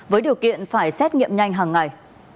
với điều kiện phải xét nghiệm nhanh hàng ngày